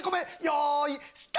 よい！